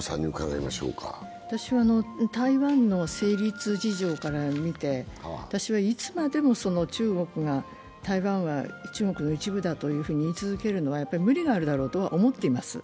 台湾の成立事情から見て、私はいつまでも中国が台湾が中国の一部だと言い続けるのはやっぱり無理があるだろうとは思っています。